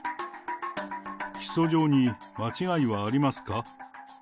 起訴状に間違いはありますか？